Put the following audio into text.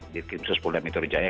di tim sos poliamitur jaya